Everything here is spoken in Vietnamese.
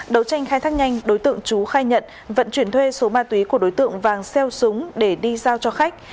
đấu tranh khai thác nhanh đối tượng chú khai nhận vận chuyển thuê số ma túy của đối tượng vàng xeo súng để đi giao cho khách